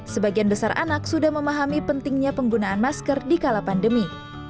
sebagian besar anak sudah memahami pentingnya penggunaan masker di kala pandemi